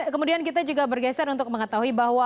kemudian kita juga bergeser untuk mengetahui bahwa